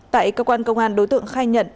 tại cơ quan công an đối tượng khai nhận